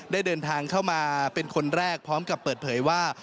ได้เดินทางเข้ามาเป็นคนแรกพร้อมกับเปิดเผยว่า